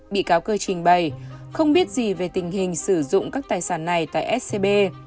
bị cáo cơ trình bày không biết gì về tình hình sử dụng các tài sản này tại scb